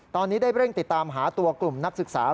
ตอนนี้ได้เร่งติดตามหาตัวกลุ่มนักศึกษา